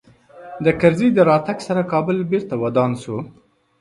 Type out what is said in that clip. د کرزي د راتګ سره کابل بېرته ودان سو